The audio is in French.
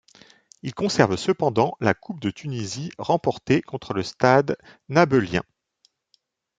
Il conserve cependant la coupe de Tunisie remportée contre le Stade nabeulien.